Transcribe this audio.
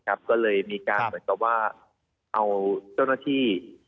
ก็เลยมีการเหมือนกับว่าเอาเจ้าหน้าที่